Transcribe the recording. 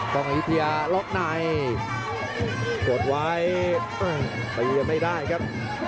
ต้องอิทยาล็อคไหนกดไว้ไปอีกยังไม่ได้ครับ